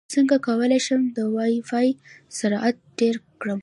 څنګه کولی شم د وائی فای سرعت ډېر کړم